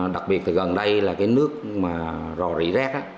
đặc biệt thì gần đây là cái nước mà rò rỉ rác